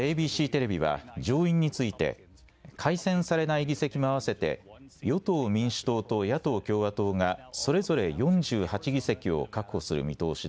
ＡＢＣテレビは、上院について、改選されない議席も合わせて、与党・民主党と野党・共和党がそれぞれ４８議席を確保する見通し